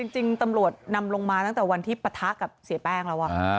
จริงตำรวจนำลงมาตั้งแต่วันที่ปะทะกับเสียแป้งแล้ว